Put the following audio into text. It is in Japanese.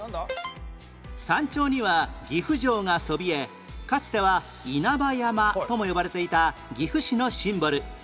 山頂には岐阜城がそびえかつては稲葉山とも呼ばれていた岐阜市のシンボル